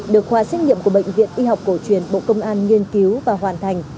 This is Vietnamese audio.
được khoa xét nghiệm của bệnh viện y học cổ truyền bộ công an nghiên cứu và hoàn thành